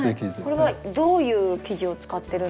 これはどういう生地を使ってるんですか？